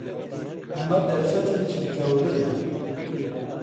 ئەمە دەرفەتێکی گەورەیە.